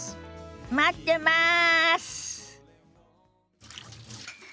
待ってます！